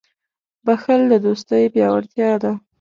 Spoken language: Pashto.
• بښل د دوستۍ پیاوړتیا ده.